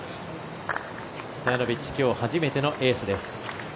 ストヤノビッチきょう初めてのエースです。